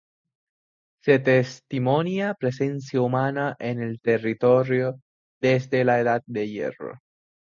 Se testimonia presencia humana en el territorio desde la Edad de Hierro.